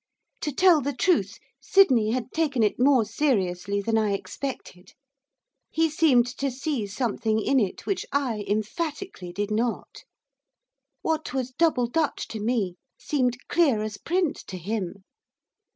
To tell the truth, Sydney had taken it more seriously than I expected. He seemed to see something in it which I emphatically did not. What was double Dutch to me, seemed clear as print to him.